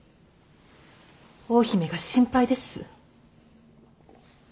大姫が心配です。